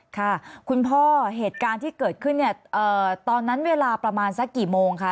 ค่ะคุณพ่อเหตุการณ์ที่เกิดขึ้นเนี่ยตอนนั้นเวลาประมาณสักกี่โมงคะ